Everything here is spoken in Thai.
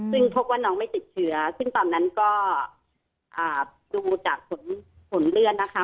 ซึ่งพบว่าน้องไม่ติดเชื้อซึ่งตอนนั้นก็ดูจากผลเลือดนะคะ